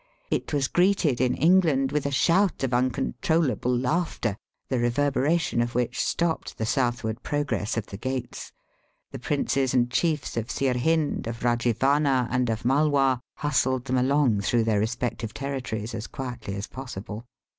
It was greeted in England with a shout of uncontrollable laughter, the reverberation of which stopped the southward progress of the gates. The princes and chiefs of Sirhind, of Eajivana and of Malwa hustled them along through their respective territories as quietly as possible.